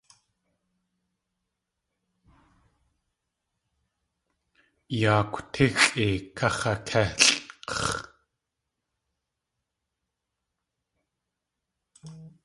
Yaakw tíxʼi kax̲akélʼx̲.